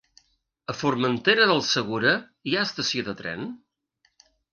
A Formentera del Segura hi ha estació de tren?